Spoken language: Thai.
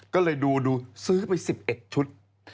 ก็เลยดูซื้อไป๑๑ชุด